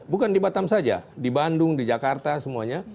bukan di batam saja di bandung di jakarta semuanya